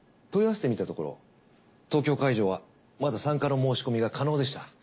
問い合わせてみたところ東京会場はまだ参加の申し込みが可能でした。